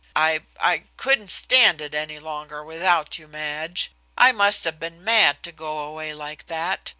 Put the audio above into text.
"I I couldn't stand it any longer without you, Madge. I must have been mad to go away like that.